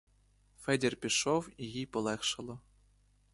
Федір пішов, і їй полегшало.